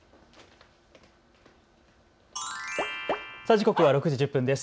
時刻は６時１０分です。